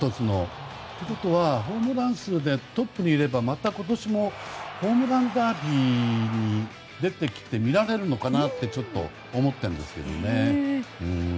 ということはホームラン数でトップにいればまた今年もホームランダービーに出てきて、見られるのかなってちょっと思っているんですよね。